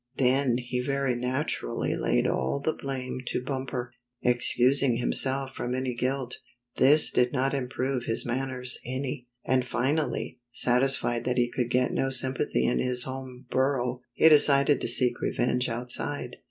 Then he very naturally laid all the blame to Bumper, excusing himself from any guilt. This did not improve his manners any, and finally, satisfied that he could get no sympathy in his home burrow, he decided to seek revenge outside.